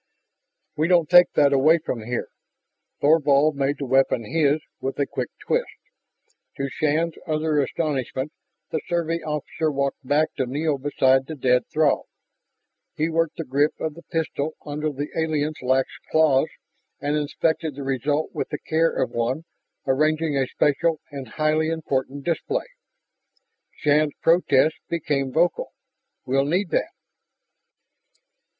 "We don't take that away from here." Thorvald made the weapon his with a quick twist. To Shann's utter astonishment, the Survey officer walked back to kneel beside the dead Throg. He worked the grip of the blaster under the alien's lax claws and inspected the result with the care of one arranging a special and highly important display. Shann's protest became vocal. "We'll need that!"